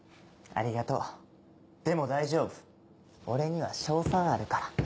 ありがとうでも大丈夫俺には勝算あるから。